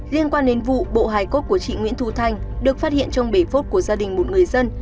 liên quan đến vụ bộ hài cốt của chị nguyễn thu thanh được phát hiện trong bể phốt của gia đình một người dân